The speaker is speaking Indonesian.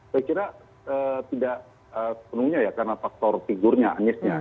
saya kira tidak penuhnya ya karena faktor figurnya aniesnya